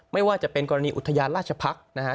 ไม่ว่าจะเป็นกรณีอุทยานราชภักษ์นะฮะ